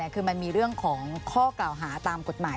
คือมันมีเรื่องของข้อกล่าวหาตามกฎหมาย